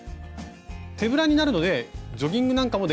手ぶらになるのでジョギングなんかもできちゃいます。